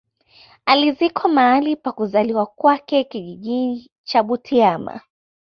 Alizikwa mahali pa kuzaliwa kwake kijiji cha Butiama